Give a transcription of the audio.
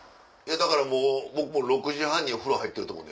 だからもう僕６時半に風呂入ってると思うで朝。